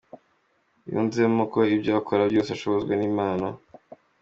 Yunzemo ko ibyo akora byose ashobozwa n'Imana.